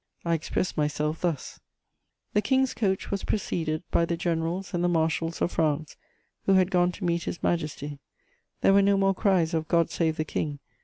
I expressed myself thus: "The King's coach was preceded by the generals and the marshals of France who had gone to meet his Majesty. There were no more cries of 'God save the King!'